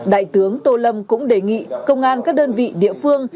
đại tướng tô lâm cũng đề nghị công an các đơn vị địa phương